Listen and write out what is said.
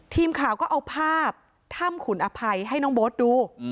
ทีมข่าวก็เอาภาพถ้ำขุนอภัยให้น้องโบ๊ทดู